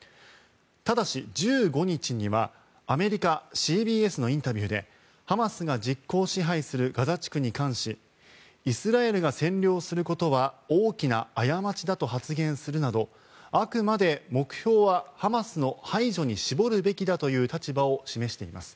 ただし１５日にはアメリカＣＢＳのインタビューでハマスが実効支配するガザ地区に関しイスラエルが占領することは大きな過ちだと発言するなどあくまで目標はハマスの排除に絞るべきだという立場を示しています。